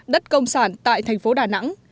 đất công sản tại thành phố đà nẵng